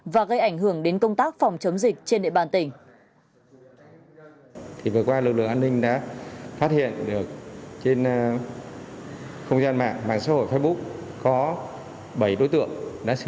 và gây ảnh hưởng đến công tác phòng chống dịch trên địa bàn tỉnh